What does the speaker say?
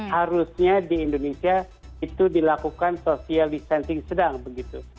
harusnya di indonesia itu dilakukan social distancing sedang begitu